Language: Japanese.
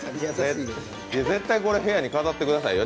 絶対これ部屋に飾ってくださいよ。